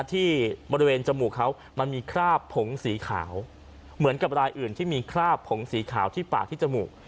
ที่บริเวณจมูกเขามันมีคราบผงสีขาวเหมือนกับรายอื่นที่มีคราบผงสีขาวที่ปากที่จมูก